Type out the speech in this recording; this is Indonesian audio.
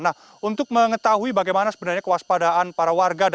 nah untuk mengetahui bagaimana sebenarnya kewaspadaan para warga